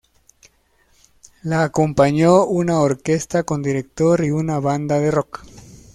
La acompañó una orquesta con director y una banda de "rock".